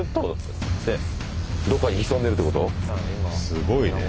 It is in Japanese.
すごいね。